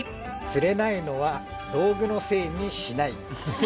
「釣れないのは道具のせいにしない」。